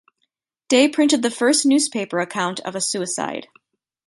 Day printed the first newspaper account of a suicide.